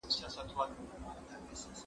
زه نان نه خورم!!